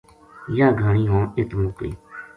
یاہ گھانی ہون اِت مُک گئی